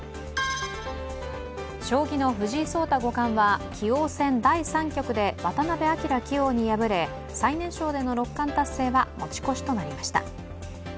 将棋の藤井聡太五冠は棋王戦第３局で渡辺明棋王に敗れ最年少での６冠達成は持ち越しとなりました。